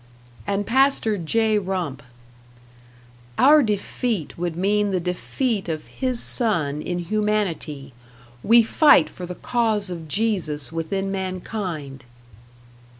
And Pastor J. Rump: Our defeat would mean the defeat of His Son in humanity. We fight for the cause of Jesus within mankind.